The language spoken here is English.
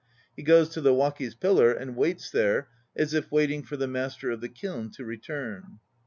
He goes to the "waki's pillar" and waits there as if waiting for the master of the kiln to return.